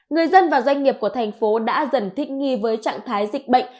người dân và doanh nghiệp của thành phố đã dần thích nghi với trạng thái dịch bệnh